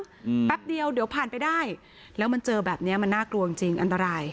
แป๊บเดียวเดี๋ยวผ่านไปได้แล้วมันเจอแบบเนี้ยมันน่ากลัวจริงจริงอันตราย